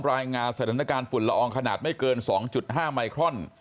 รายงานสถานการณ์ฝุ่นละอองขนาดไม่เกิน๒๕ไมครอน